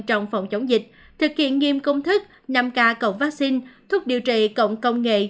trong phòng chống dịch thực hiện nghiêm công thức năm k cộng vaccine thuốc điều trị cộng công nghệ